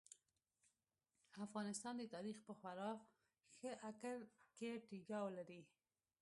افغانستان د تاريخ په خورا ښه اکر کې ټيکاو لري.